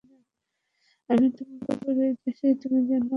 আমি তোমাকে উপদেশ দিচ্ছি, তুমি যেন অজ্ঞদের অন্তর্ভুক্ত না হও।